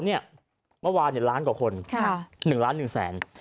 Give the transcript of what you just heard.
เมื่อวานล้านกว่าคน๑ล้าน๑แสน